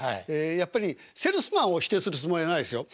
やっぱりセールスマンを否定するつもりはないですよ。